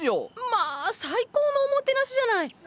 まあ最高のおもてなしじゃない！